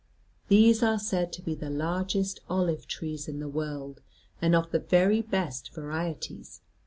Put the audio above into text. These are said to be the largest olive trees in the world, and of the very best varieties.